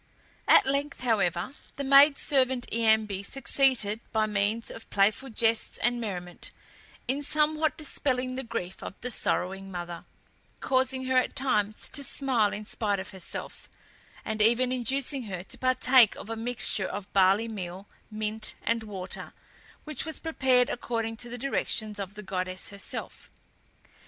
At length, however, the maid servant Iambe succeeded, by means of playful jests and merriment, in somewhat dispelling the grief of the sorrowing mother, causing her at times to smile in spite of herself, and even inducing her to partake of a mixture of barley meal, mint, and water, which was prepared according to the directions of the goddess herself.